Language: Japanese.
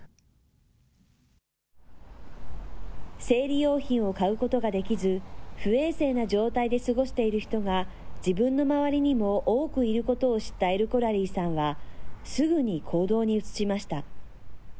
生理用品を買うことができず、不衛生な状態で過ごしている人が、自分の周りにも多くいることを知ったエルコラリーさんは、すぐに行動に移しました。